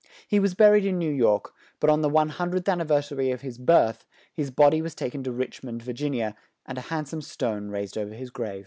He was bur ied in New York, but on the one hun dredth an ni ver sa ry of his birth, his bod y was tak en to Rich mond, Vir gin i a, and a hand some stone raised o ver his grave.